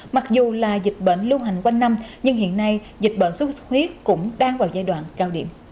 mặc dù là dịch bệnh lưu hành quanh năm nhưng hiện nay dịch bệnh xuất huyết cũng đang vào giai đoạn cao điểm